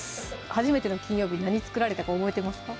初めての金曜日何作られたか覚えてますか？